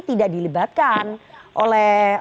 tidak dilibatkan oleh